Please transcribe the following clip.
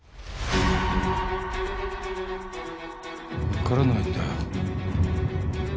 わからないんだよ。